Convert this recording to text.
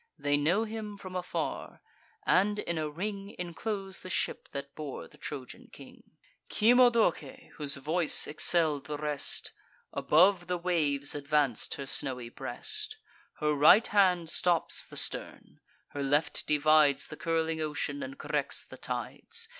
They know him from afar; and in a ring Enclose the ship that bore the Trojan king. Cymodoce, whose voice excell'd the rest, Above the waves advanc'd her snowy breast; Her right hand stops the stern; her left divides The curling ocean, and corrects the tides.